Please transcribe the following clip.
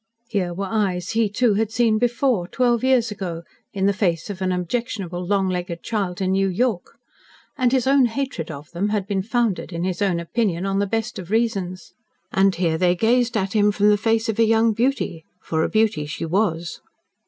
Here were eyes he, too, had seen before twelve years ago in the face of an objectionable, long legged child in New York. And his own hatred of them had been founded in his own opinion on the best of reasons. And here they gazed at him from the face of a young beauty for a beauty she was.